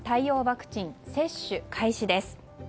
ワクチン接種開始です。